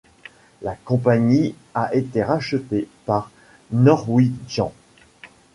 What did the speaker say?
La compagnie a été rachetée par Norwegian.